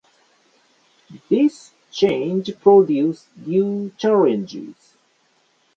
This change produced new challenges.